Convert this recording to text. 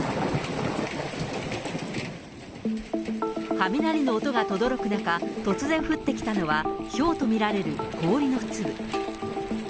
雷の音がとどろく中、突然降ってきたのは、ひょうと見られる氷の粒。